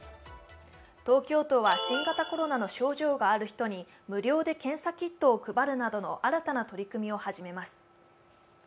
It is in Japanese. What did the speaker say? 東京都は新型コロナの症状がある人に無料で検査キットを配るなどの新たな取り組みを始めます。